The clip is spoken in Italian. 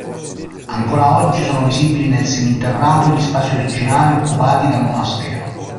Ancora oggi sono visibili nel seminterrato gli spazi originali occupati dal monastero.